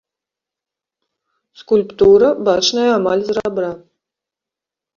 Скульптара, бачная амаль з рабра.